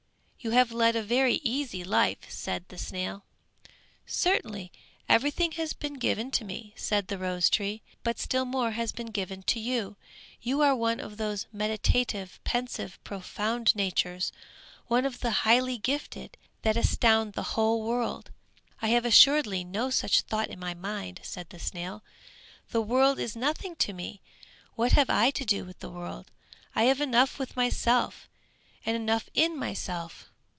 "You have led a very easy life!" said the snail. "Certainly, everything has been given to me," said the rose tree, "but still more has been given to you. You are one of those meditative, pensive, profound natures, one of the highly gifted, that astound the whole world!" "I have assuredly no such thought in my mind," said the snail, "the world is nothing to me! What have I to do with the world? I have enough with myself, and enough in myself!"